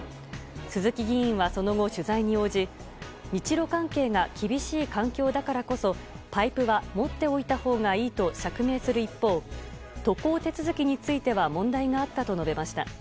鈴木議員はその後、取材に応じ日ロ関係が厳しい環境だからこそパイプは持っておいたほうがいいと釈明する一方渡航手続きについては問題があったと述べました。